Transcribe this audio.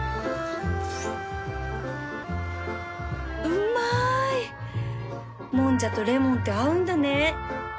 うまいもんじゃとレモンって合うんだね